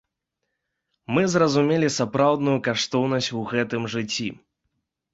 Мы зразумелі сапраўдную каштоўнасць у гэтым жыцці.